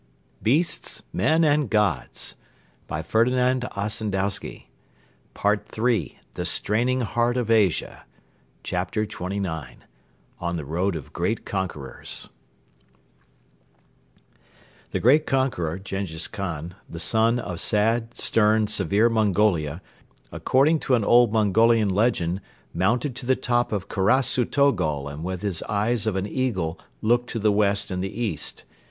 What can man now do? Only perish, only perish. ..." Part III THE STRAINING HEART OF ASIA CHAPTER XXIX ON THE ROAD OF GREAT CONQUERORS The great conqueror, Jenghiz Khan, the son of sad, stern, severe Mongolia, according to an old Mongolian legend "mounted to the top of Karasu Togol and with his eyes of an eagle looked to the west and the east.